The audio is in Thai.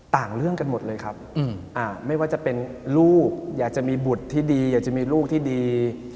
เรื่องกันหมดเลยครับไม่ว่าจะเป็นลูกอยากจะมีบุตรที่ดีอยากจะมีลูกที่ดี